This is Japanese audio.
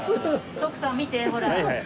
徳さん見てほら。